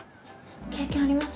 経験あります？